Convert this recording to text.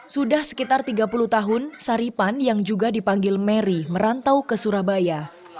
sudah sekitar tiga puluh tahun saripan yang juga dipanggil mary merantau ke surabaya